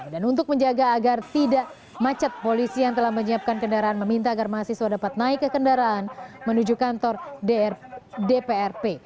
dan untuk menjaga agar tidak macet polisi yang telah menyiapkan kendaraan meminta agar mahasiswa dapat naik ke kendaraan menuju kantor dprp